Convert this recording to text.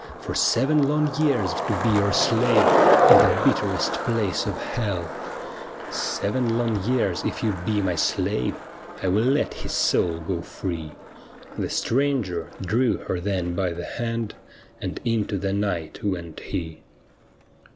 For seven long years to be your slave In the bitterest place of hell.' ii8 THE WOMAN WHO WENT TO HELL ' Seven long years if you be my slave I will let his soul go free.' The stranger drew her then by the hand And into the night went he.